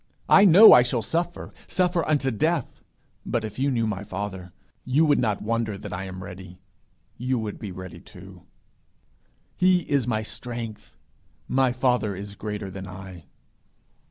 I know I shall suffer, suffer unto death, but if you knew my father, you would not wonder that I am ready; you would be ready too. He is my strength. My father is greater than I.'